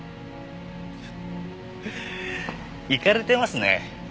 フッイカれてますね。